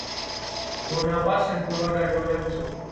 bau napas yang keluar dari mulutnya busuk